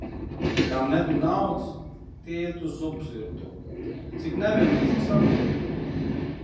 Kam nebija naudas, tie iet uz zupas virtuvi. Cik nevienlīdzīga sabiedrība.